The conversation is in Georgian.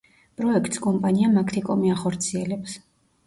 პროექტს კომპანია მაგთიკომი ახორციელებს.